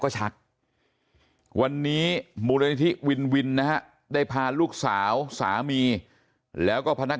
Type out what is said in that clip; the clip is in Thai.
ก็ชักวันนี้มูลนิธิวินวินนะฮะได้พาลูกสาวสามีแล้วก็พนัก